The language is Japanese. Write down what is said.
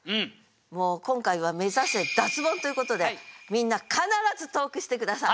もう今回は「めざせ脱ボン！」ということでみんな必ず投句して下さい！